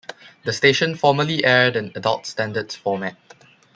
The station formerly aired an adult standards format.